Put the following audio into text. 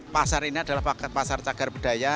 pasar ini adalah pasar cagar budaya